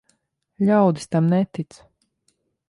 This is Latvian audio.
Ļaudis tam netic.